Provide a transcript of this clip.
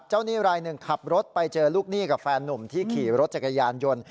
หนี้รายหนึ่งขับรถไปเจอลูกหนี้กับแฟนนุ่มที่ขี่รถจักรยานยนต์